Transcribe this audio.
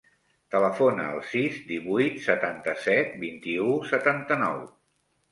Telefona al sis, divuit, setanta-set, vint-i-u, setanta-nou.